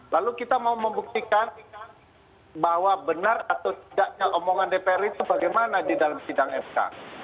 lalu kita mau membuktikan bahwa benar atau tidaknya omongan dpr itu bagaimana di dalam sidang sk